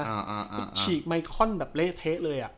ก็ฉีกฮัยไมคอนแบบเล่เท๊ะเลย